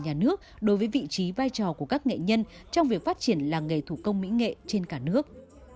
nhà nước đối với vị trí vai trò của các nghệ nhân trong việc phát triển làng nghề thủ công mỹ nghệ trên cả nước